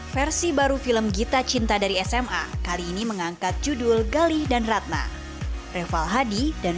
versi baru film gita cinta dari sma kali ini mengangkat judul galih dan ratna rival hadi dan